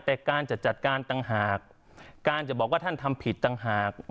แต่การจะจัดการต่างหากการจะบอกว่าท่านทำผิดต่างหาก